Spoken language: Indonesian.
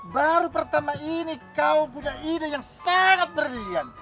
baru pertama ini kau punya ide yang sangat berlian